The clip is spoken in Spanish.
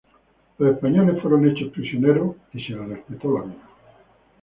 Los españoles fueron hechos prisioneros y se les respetó la vida.